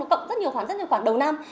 cộng rất nhiều khoản rất nhiều khoản đầu năm